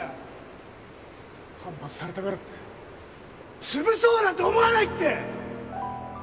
反発されたからって潰そうなんて思わないって！